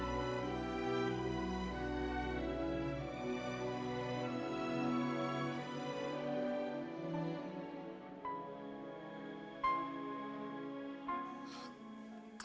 aku sudah takut